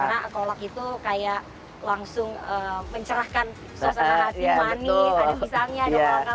karena kolak itu kayak langsung mencerahkan sos ada nasi manis ada bisanya ada kolak kalit itu pasti ada